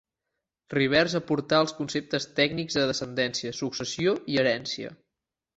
Rivers aportà els conceptes tècnics de descendència, successió i herència.